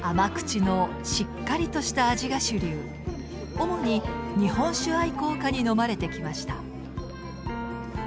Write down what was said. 主に日本酒愛好家に飲まれてきました。